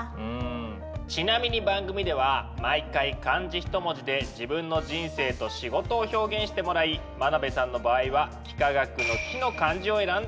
ちなみに番組では毎回漢字一文字で自分の人生と仕事を表現してもらい真鍋さんの場合は幾何学の「幾」の漢字を選んだんです。